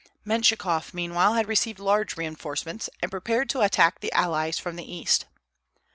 Mentchikof, meanwhile, had received large reinforcements, and prepared to attack the allies from the east.